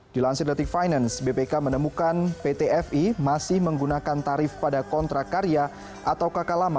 dilansir detik finance bpk menemukan pt fi masih menggunakan tarif pada kontrak karya atau kakak lama